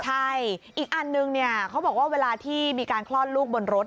ใช่อีกอันนึงเนี่ยเขาบอกว่าเวลาที่มีการคลอดลูกบนรถ